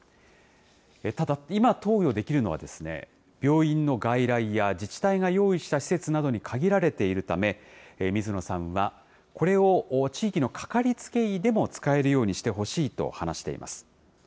ただ、今投与できるのは、病院の外来や自治体が用意した施設などに限られているため、水野さんは、これを地域のかかりつけ医でも使えるようにしてほしいと話しています。